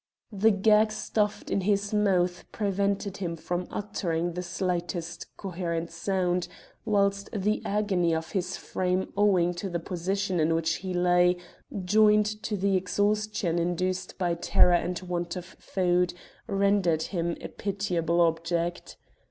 The gag stuffed in his mouth prevented him from uttering the slightest coherent sound, whilst the agony of his frame owing to the position in which he lay, joined to the exhaustion induced by terror and want of food, rendered him a pitiable object.